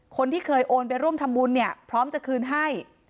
คนที่เคยโอนไปร่วมทำบุญเนี่ยพร้อมจะคืนให้